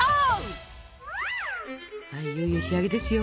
はいいよいよ仕上げですよ。